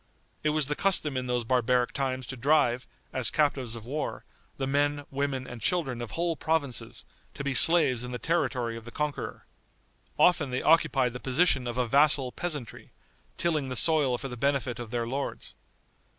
It was the custom in those barbaric times to drive, as captives of war, the men, women and children of whole provinces, to be slaves in the territory of the conqueror. Often they occupied the position of a vassal peasantry, tilling the soil for the benefit of their lords.